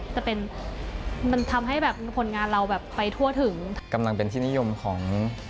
ก็จะเป็น